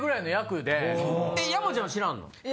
山ちゃんは知らんの？